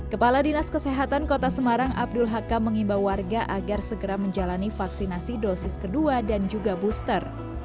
kepala dinas kesehatan kota semarang abdul hakam mengimbau warga agar segera menjalani vaksinasi dosis kedua dan juga booster